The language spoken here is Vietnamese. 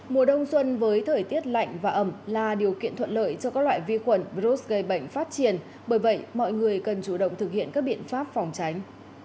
mùa đông xuân với thời tiết lạnh và ẩm là điều kiện thuận lợi cho các loại vi khuẩn virus gây bệnh phát triển bởi vậy mọi người cần chủ động thực hiện các biện pháp phòng tránh